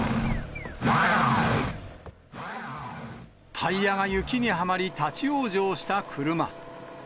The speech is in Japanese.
タイヤが雪にはまり、立往生した車。